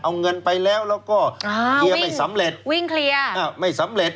เอาเงินไปแล้วแล้วก็เคลียร์ไม่สำเร็จวิ่งเคลียร์อ้าวไม่สำเร็จ